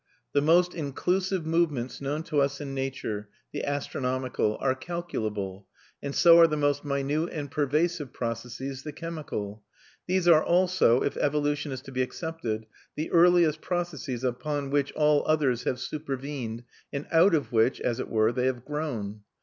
The most inclusive movements known to us in nature, the astronomical, are calculable, and so are the most minute and pervasive processes, the chemical. These are also, if evolution is to be accepted, the earliest processes upon which all others have supervened and out of which, as it were, they have grown.